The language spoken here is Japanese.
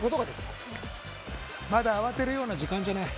まだ慌てるような時間じゃない。